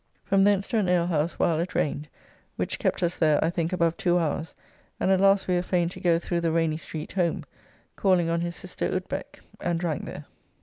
From thence to an alehouse while it rained, which kept us there I think above two hours, and at last we were fain to go through the rainy street home, calling on his sister Utbeck and drank there.